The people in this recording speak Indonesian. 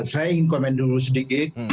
saya ingin komen dulu sedikit